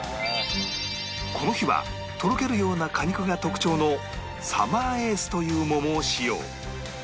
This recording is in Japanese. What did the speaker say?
この日はとろけるような果肉が特徴のサマーエースという桃を使用